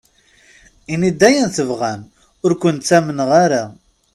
Inim-d ayen tebɣam, ur ken-ttamneɣ ara.